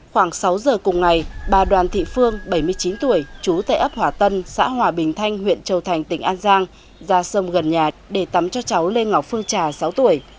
khoảng sáu giờ cùng ngày bà đoàn thị phương bảy mươi chín tuổi chú tại ấp hòa tân xã hòa bình thanh huyện châu thành tỉnh an giang ra sông gần nhà để tắm cho cháu lê ngọc phương trà sáu tuổi